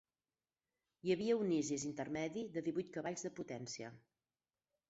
Hi havia un Isis intermedi de divuit cavalls de potència.